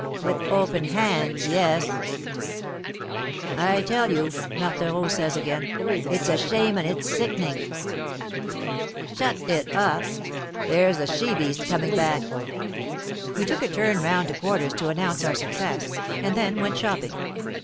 "With open hands, yes " "I tell you," Marthereau says again, "it's a shame and it's sickening." "Shut it up there's the she beast coming back." We took a turn round to quarters to announce our success, and then went shopping.